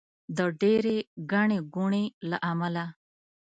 د ډېرې ګڼې ګوڼې له امله.